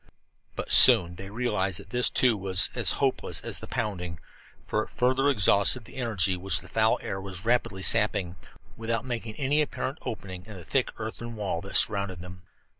But soon they realized that this, too, was as hopeless as the pounding, for it further exhausted the energy which the foul air was rapidly sapping, without making any apparent opening in the thick earthen wall that surrounded them.